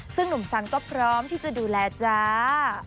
ซึ่งหนุ่มสังก็พร้อมที่จะดูแลจ้า